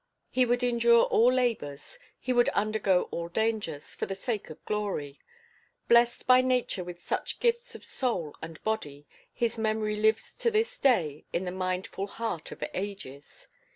He would endure all labours, he would undergo all dangers, for the sake of glory. Blest by nature with such gifts of soul and body, his memory lives to this day in the mindful heart of ages.